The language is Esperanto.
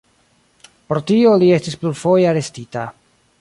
Pro tio li estis plurfoje arestita.